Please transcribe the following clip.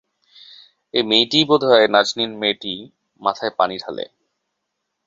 এই মেয়েটিই বোধহয় নাজনীন মেয়েটি মাথায় পানি ঢালে।